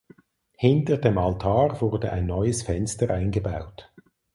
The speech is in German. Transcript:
Hinter dem Altar wurde ein neues Fenster eingebaut.